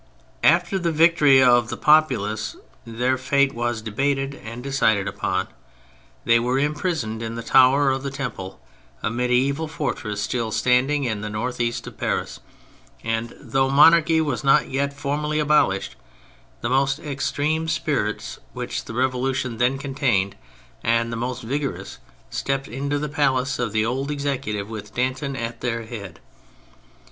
After the victory of the populace their fate was debated and decided upon; they were imprisoned in the Tower of the Temple, a mediaeval fortress still standing in the north east of Paris, and though monarchy was not yet formally abolished, the most extreme spirits which the Revolution then contained, and the most vigorous, stepped into the place of the old Executive, with D ant on at their head.